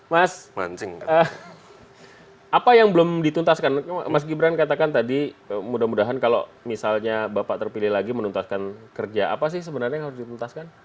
mas mancing apa yang belum dituntaskan mas gibran katakan tadi mudah mudahan kalau misalnya bapak terpilih lagi menuntaskan kerja apa sih sebenarnya yang harus dituntaskan